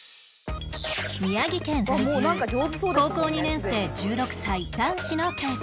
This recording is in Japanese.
宮城県在住高校２年生１６歳男子のケース